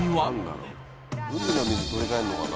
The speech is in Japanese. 海の水取り替えるのかな。